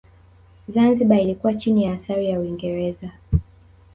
Zanzibar ilikuwa chini ya athari ya Uingereza